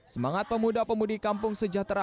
semangat pemuda pemudi kampung sejahtera